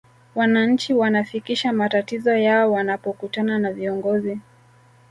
wananchi wanafikisha matatizo yao wanapokutana na viongozi